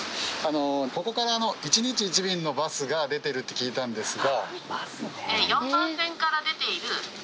ここから１日１便のバスが出てるって聞いたんですが。